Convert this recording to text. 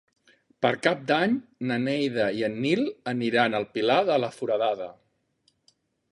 Per Cap d'Any na Neida i en Nil aniran al Pilar de la Foradada.